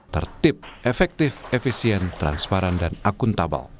tertib efektif efisien transparan dan akuntabel